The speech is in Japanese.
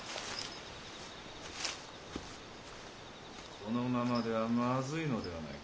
・このままではまずいのではないか？